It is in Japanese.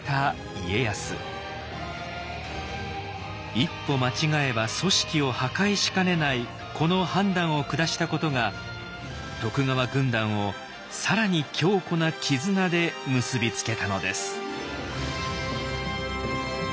一歩間違えば組織を破壊しかねないこの判断を下したことが徳川軍団を更に強固な絆で結び付けたのです。